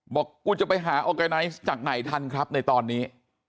บอกกูจะไปหาออร์แกไนซ์จากไหนทันครับในตอนนี้